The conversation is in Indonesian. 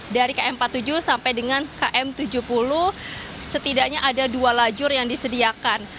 dari km empat puluh tujuh sampai dengan km tujuh puluh setidaknya ada dua lajur yang disediakan